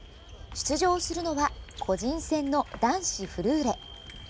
出場するのは個人戦の男子フルーレ。